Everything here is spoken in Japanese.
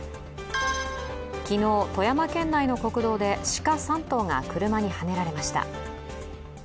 昨日、富山県内の国道で鹿３頭が車にはねられました。